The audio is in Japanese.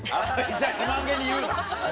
じゃあ、自慢げに言うな。